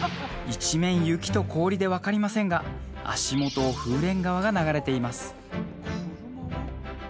一面雪と氷で分かりませんが足元を風蓮川が流れています